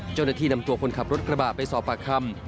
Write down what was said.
เจ้าหน้าที่นำตัวคนขับรถกระบะไปสอบปากคำ